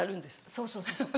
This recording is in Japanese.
そうそうそうそう。